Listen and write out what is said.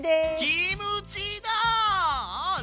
キムチだ！